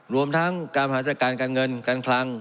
รวมทั้งการผลักษณะการการเงินการคลัง